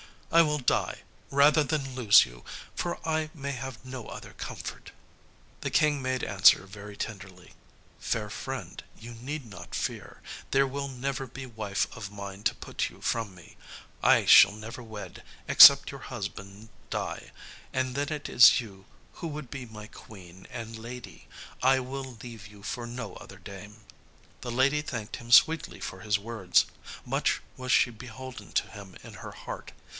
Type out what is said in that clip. I will die, rather than lose you, for I may have no other comfort." The King made answer very tenderly, "Fair friend, you need not fear. There will never be wife of mine to put you from me. I shall never wed, except your husband die, and then it is you who would be my queen and lady. I will leave you for no other dame." The lady thanked him sweetly for his words. Much was she beholden to him in her heart.